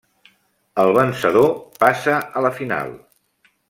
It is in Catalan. El vencedor passa a la final.